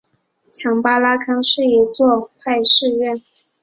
强巴拉康是一座格鲁派寺院。